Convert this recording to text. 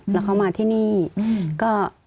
แล้วเขามาที่นี่ก็